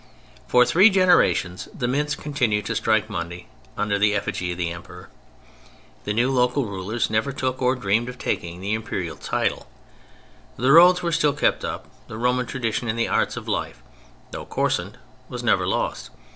For three generations the mints continued to strike money under the effigy of the Emperor. The new local rulers never took, or dreamed of taking, the Imperial title; the roads were still kept up, the Roman tradition in the arts of life, though coarsened, was never lost.